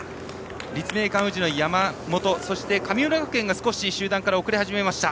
立命館宇治の山本そして、神村学園が少し集団から遅れ始めました。